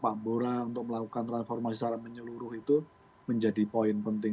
pak bora untuk melakukan transformasi secara menyeluruh itu menjadi poin penting